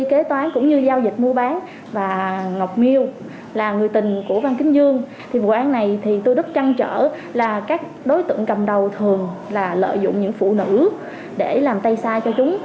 kế toán cũng như giao dịch mua bán và ngọc miêu là người tình của văn kính dương thì vụ án này thì tôi rất chăn trở là các đối tượng cầm đầu thường là lợi dụng những phụ nữ để làm tay sai cho chúng